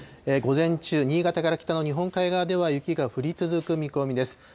午前中、新潟から北の日本海側では、雪が降り続く見込みです。